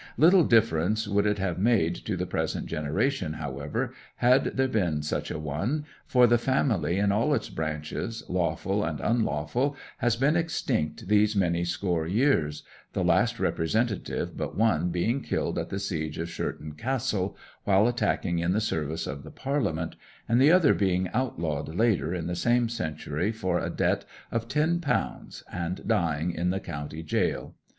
Little difference would it have made to the present generation, however, had there been such a one, for the family in all its branches, lawful and unlawful, has been extinct these many score years, the last representative but one being killed at the siege of Sherton Castle, while attacking in the service of the Parliament, and the other being outlawed later in the same century for a debt of ten pounds, and dying in the county jail.